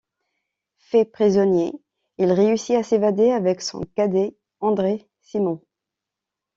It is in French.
Fait prisonnier, il réussit à s'évader avec son cadet André Simon.